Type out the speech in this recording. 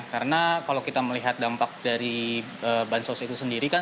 karena kalau kita melihat dampak dari bansos itu sendiri kan